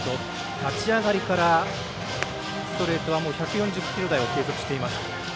立ち上がりからストレートは１４０キロ台を計測しています。